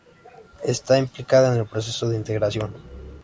Está implicada en el proceso de integración.